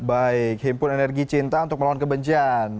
baik himpun energi cinta untuk melawan kebencian